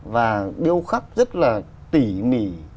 và điêu khắp rất là tỉ mỉ